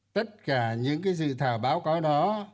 tất cả những cái dự thảo báo cáo đó